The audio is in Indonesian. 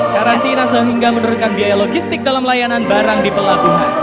karantina sehingga menurunkan biaya logistik dalam layanan barang di pelabuhan